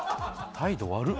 態度悪っ！